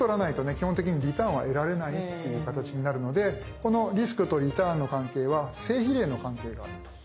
基本的にリターンは得られないっていう形になるのでこのリスクとリターンの関係は正比例の関係があるという形になっています。